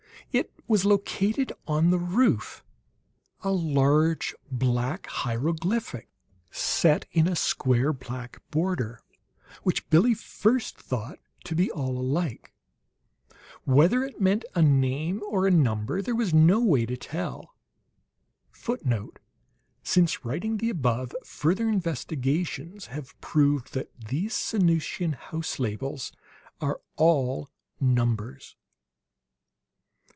It was located on the roof; a large black hieroglyphic, set in a square black border, which Billie first thought to be all alike. Whether it meant a name or a number, there was no way to tell.[Footnote: Since writing the above, further investigations have proved that these Sanusian house labels are all numbers.